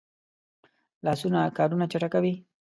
لاسونه کارونه چټکوي